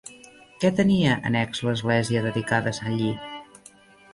Què tenia annex l'església dedicada a sant Lli?